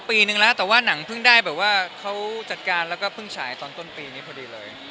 ปีนึงแล้วแต่ว่าหนังเพิ่งได้แบบว่าเขาจัดการแล้วก็เพิ่งฉายตอนต้นปีนี้พอดีเลย